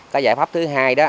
cái giải pháp thứ hai đó